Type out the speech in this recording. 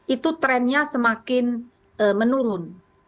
itu trennya semakin menurun